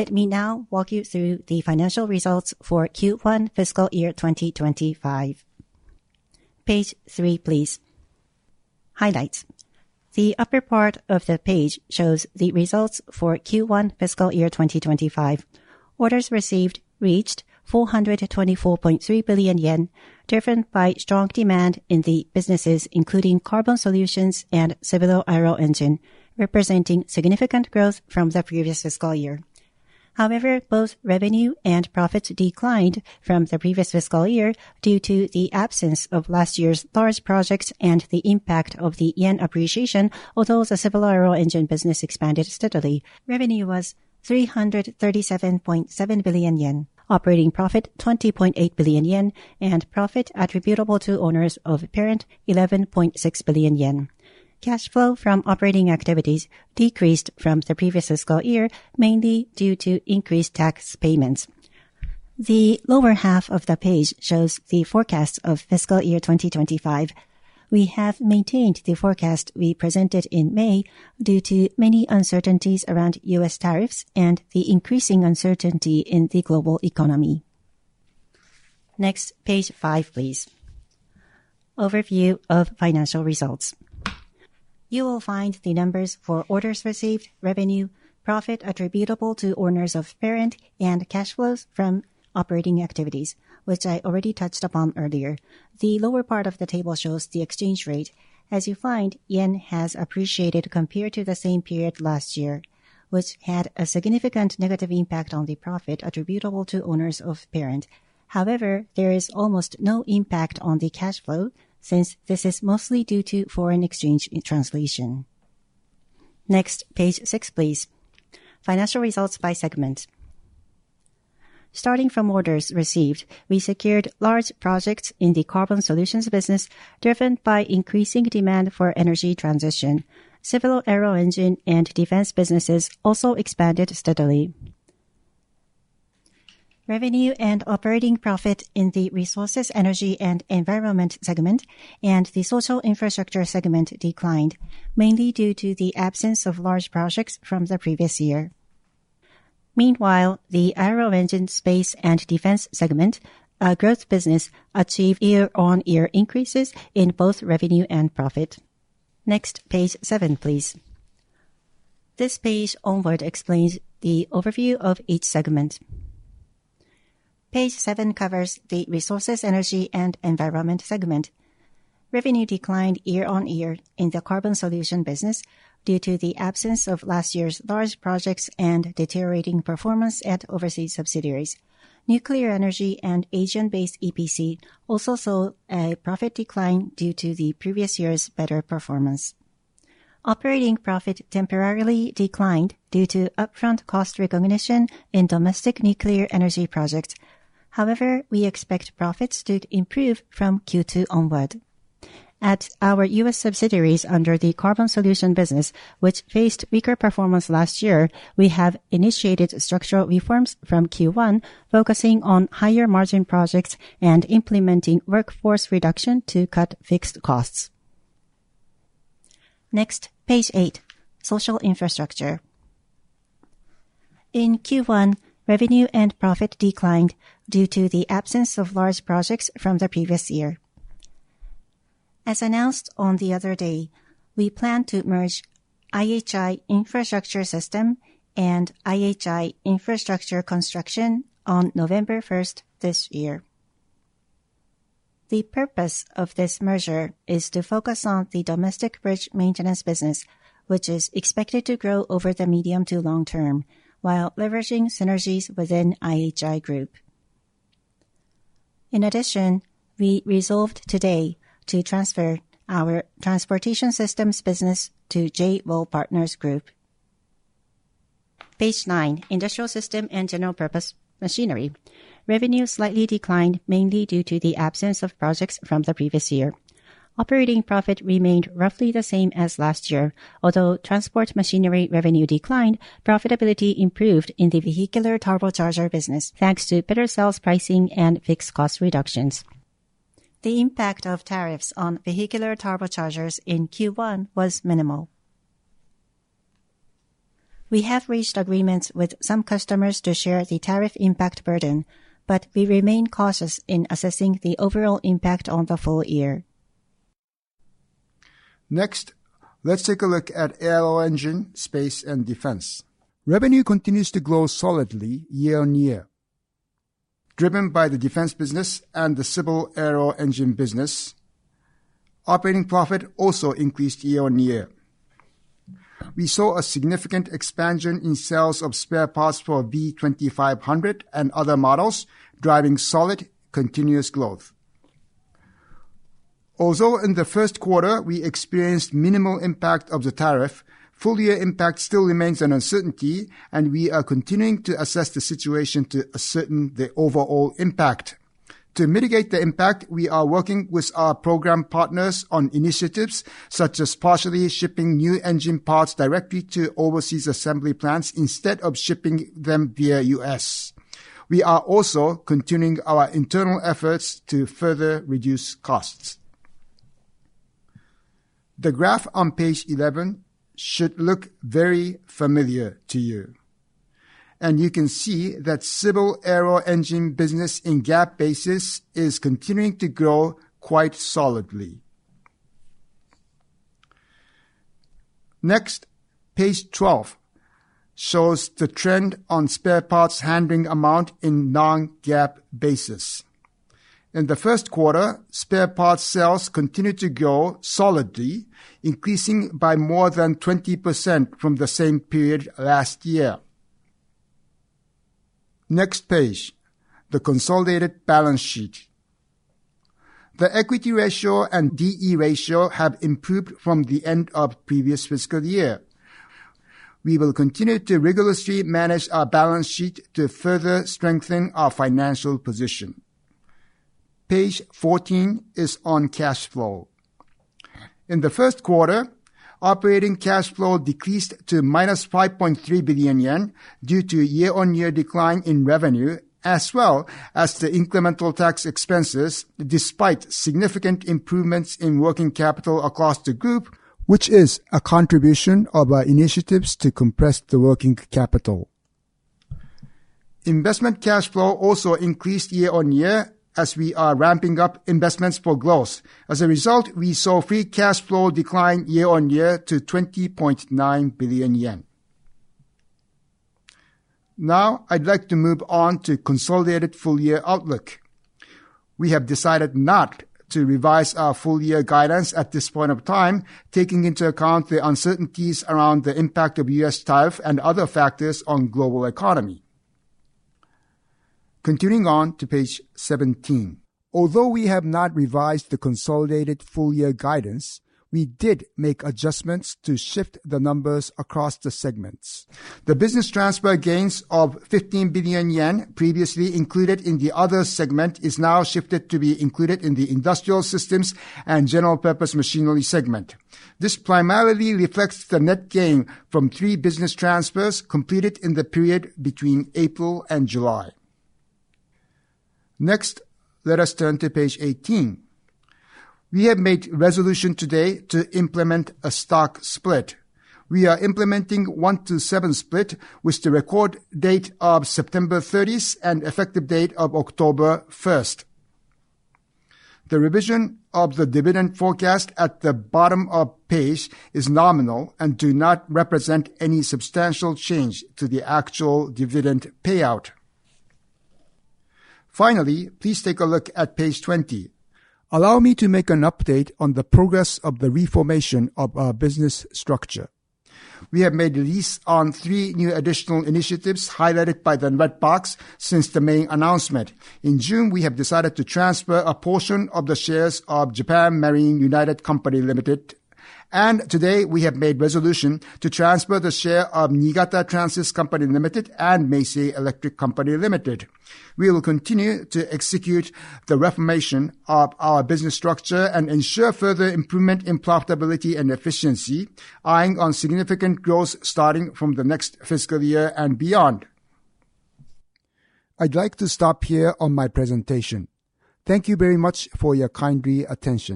Let me now walk you through the financial results for Q1 fiscal year 2025. Page 3, please. Highlights. The upper part of the page shows the results for Q1 fiscal year 2025. Orders received reached 424.3 billion yen, driven by strong demand in the businesses including carbon solutions and Civil Aero Engine, representing significant growth from the previous fiscal year. However, both revenue and profits declined from the previous fiscal year due to the absence of last year's large projects and the impact of the yen appreciation, although the Civil Aero Engine business expanded steadily. Revenue was 337.7 billion yen, operating profit 20.8 billion yen, and profit attributable to owners of parent 11.6 billion yen. Cash flow from operating activities decreased from the previous fiscal year, mainly due to increased tax payments. The lower half of the page shows the forecast of fiscal year 2025. We have maintained the forecast we presented in May due to many uncertainties around U.S. tariffs and the increasing uncertainty in the global economy. Next, page 5, please. Overview of financial results. You will find the numbers for orders received, revenue, profit attributable to owners of parent, and cash flows from operating activities, which I already touched upon earlier. The lower part of the table shows the exchange rate. As you find, yen has appreciated compared to the same period last year, which had a significant negative impact on the profit attributable to owners of parent. However, there is almost no impact on the cash flow since this is mostly due to foreign exchange translation. Next, page 6, please. Financial results by segment. Starting from orders received, we secured large projects in the carbon solutions business, driven by increasing demand for energy transition. Civil Aero Engine and defense businesses also expanded steadily. Revenue and operating profit in the Resources, Energy, and Environment segment and the Social Infrastructure segment declined, mainly due to the absence of large projects from the previous year. Meanwhile, the Aero Engine, space, and defense segment, a growth business, achieved year-on-year increases in both revenue and profit. Next, page 7, please. This page onward explains the overview of each segment. Page 7 covers the Resources, Energy, and Environment segment. Revenue declined year-on-year in the carbon solutions business due to the absence of last year's large projects and deteriorating performance at overseas subsidiaries. Nuclear energy and Asian-based EPC also saw a profit decline due to the previous year's better performance. Operating profit temporarily declined due to upfront cost recognition in domestic nuclear energy projects. However, we expect profits to improve from Q2 onward. At our U.S. subsidiaries under the carbon solutions business, which faced weaker performance last year, we have initiated structural reforms from Q1, focusing on higher margin projects and implementing workforce reduction to cut fixed costs. Next, page 8. Social infrastructure. In Q1, revenue and profit declined due to the absence of large projects from the previous year. As announced the other day, we plan to merge IHI Infrastructure System and IHI Infrastructure Construction on November 1st, 2024. The purpose of this merger is to focus on the domestic bridge maintenance business, which is expected to grow over the medium to long term, while leveraging synergies within IHI Group. In addition, we resolved today to transfer our Transportation Systems business to J-W Partners Group. Page 9, industrial system and general purpose machinery. Revenue slightly declined, mainly due to the absence of projects from the previous year. Operating profit remained roughly the same as last year. Although transport machinery revenue declined, profitability improved in the vehicular turbocharger business, thanks to better sales pricing and fixed cost reductions. The impact of tariffs on vehicular turbochargers in Q1 was minimal. We have reached agreements with some customers to share the tariff impact burden, but we remain cautious in assessing the overall impact on the full year. Next, let's take a look at Aero Engine Space and Defense. Revenue continues to grow solidly year-on-year. Driven by the defense business and the Civil Aero Engine business, operating profit also increased year-on-year. We saw a significant expansion in sales of spare parts for V2500 and other models, driving solid continuous growth. Although in the first quarter we experienced minimal impact of the tariff, full-year impact still remains an uncertainty, and we are continuing to assess the situation to ascertain the overall impact. To mitigate the impact, we are working with our program partners on initiatives such as partially shipping new engine parts directly to overseas assembly plants instead of shipping them via the U.S. We are also continuing our internal efforts to further reduce costs. The graph on page 11 should look very familiar to you. You can see that the Civil Aero Engine business in GAAP basis is continuing to grow quite solidly. Next, page 12 shows the trend on spare parts handling amount in non-GAAP basis. In the first quarter, spare parts sales continued to grow solidly, increasing by more than 20% from the same period last year. Next page, the Consolidated Balance Sheet. The equity ratio and D/E ratio have improved from the end of the previous fiscal year. We will continue to rigorously manage our balance sheet to further strengthen our financial position. Page 14 is on cash flow. In the first quarter, operating cash flow decreased to 5.3 billion yen due to a year-on-year decline in revenue, as well as the incremental tax expenses, despite significant improvements in working capital across the group, which is a contribution of our initiatives to compress the working capital. Investment cash flow also increased year-on-year as we are ramping up investments for growth. As a result, we saw free cash flow decline year-on-year to JPY 20.9 billion. Now, I'd like to move on to the Consolidated Full-Year Outlook. We have decided not to revise our full-year guidance at this point of time, taking into account the uncertainties around the impact of U.S. tariffs and other factors on the global economy. Continuing on to page 17. Although we have not revised the Consolidated Full-Year Guidance, we did make adjustments to shift the numbers across the segments. The business transfer gains of 15 billion yen previously included in the Other segment is now shifted to be included in the Industrial Systems and General Purpose Machinery segment. This primarily reflects the net gain from three business transfers completed in the period between April and July. Next, let us turn to page 18. We have made a resolution today to implement a stock split. We are implementing a 1:7 split with the record date of September 30th and effective date of October 1st. The revision of the dividend forecast at the bottom of the page is nominal and does not represent any substantial change to the actual dividend payout. Finally, please take a look at page 20. Allow me to make an update on the progress of the reformation of our business structure. We have made release on three new additional initiatives highlighted by the red box since the main announcement. In June, we have decided to transfer a portion of the shares of Japan Marine United Co., Ltd. and today, we have made a resolution to transfer the shares of Niigata Transys Co., Ltd. and Macy Electric Co., Ltd. We will continue to execute the reformation of our business structure and ensure further improvement in profitability and efficiency, eyeing on significant growth starting from the next fiscal year and beyond. I'd like to stop here on my presentation. Thank you very much for your kind attention.